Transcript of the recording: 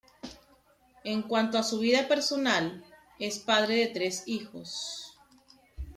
En cuanto a su vida personal, es padre de tres hijos.